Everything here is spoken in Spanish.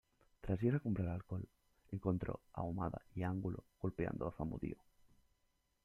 Tras ir a comprar alcohol, encontró a Ahumada y Angulo golpeando a Zamudio.